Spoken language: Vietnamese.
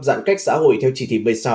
giãn cách xã hội theo chỉ thị một mươi sáu